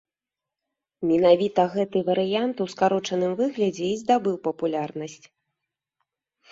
Менавіта гэты варыянт у скарочаным выглядзе і здабыў папулярнасць.